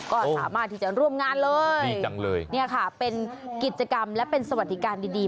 ก็สามารถที่จะร่วมงานเลยนี่ค่ะเป็นกิจกรรมและเป็นสวัสดิการดี